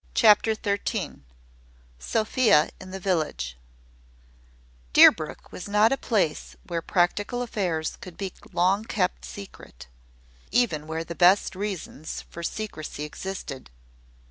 CHAPTER THIRTEEN. SOPHIA IN THE VILLAGE. Deerbrook was not a place where practical affairs could be long kept secret, even where the best reasons for secrecy existed.